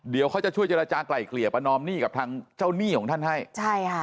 เดี๋ยวเขาจะช่วยเจรจากลายเกลี่ยประนอมหนี้กับทางเจ้าหนี้ของท่านให้ใช่ค่ะ